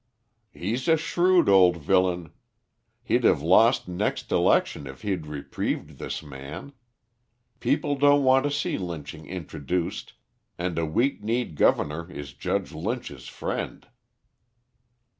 "He's a shrewd old villain. He'd have lost next election if he'd reprieved this man. People don't want to see lynching introduced, and a weak kneed governor is Judge Lynch's friend.